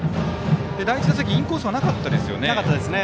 第１打席インコースはなかったですよね。